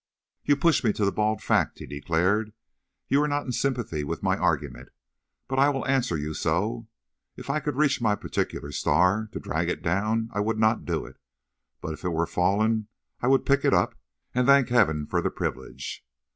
"You push me to the bald fact," he declared; "you are not in sympathy with my argument. But I will answer you so. If I could reach my particular star, to drag it down, I would not do it; but if it were fallen, I would pick it up, and thank Heaven for the privilege."